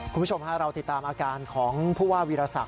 คุณผู้ชมฮะเราติดตามอาการของผู้ว่าวีรศักดิ